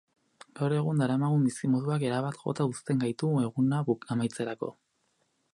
Gaur egun daramagun bizimoduak erabat jota uzten gaitu eguna amaitzerako.